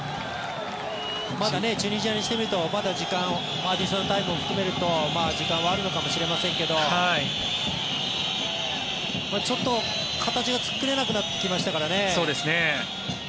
チュニジアにしてみるとアディショナルタイムも含めると時間はあるのかもしれませんけどちょっと形が作れなくなってきましたからね。